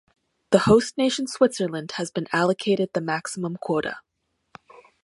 The host nation Switzerland has been allocated the maximum quota.